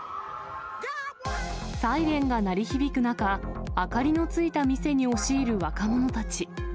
サイレンが鳴り響く中、明かりのついた店に押し入る若者たち。